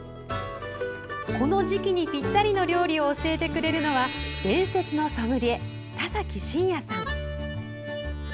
この時期にぴったりの料理を教えてくれるのは伝説のソムリエ田崎真也さん。